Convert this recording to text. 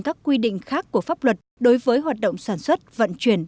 các quy định khác của pháp luật đối với hoạt động sản xuất vận chuyển